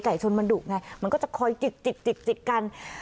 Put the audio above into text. ชนมันดุไงมันก็จะคอยจิกจิกกัน